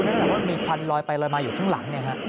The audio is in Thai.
เนื่องจากว่ามีควันลอยไปลอยมาอยู่ข้างหลัง